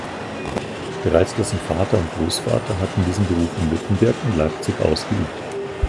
Bereits dessen Vater und Großvater hatten diesen Beruf in Wittenberg und Leipzig ausgeübt.